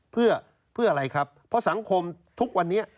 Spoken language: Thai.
เพื่ออะไรครับเพราะสังคมทุกวันนี้